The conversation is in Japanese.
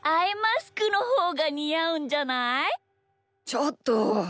ちょっと。